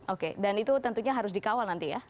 oke dan itu tentunya harus dikawal nanti ya